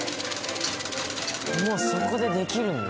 もうそこでできるんだ。